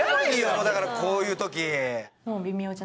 もうだからこういう時。